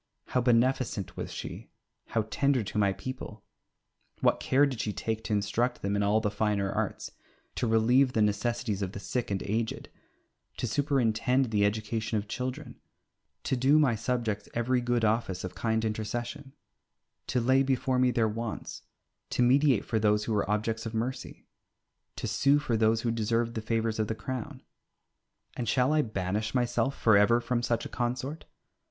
How beneficent was she, how tender to my people! What care did she take to instruct them in all the finer arts, to relieve the necessities of the sick and aged, to superintend the education of children, to do my subjects every good office of kind intercession, to lay before me their wants, to mediate for those who were objects of mercy, to sue for those who deserved the favours of the Crown. And shall I banish myself for ever from such a consort?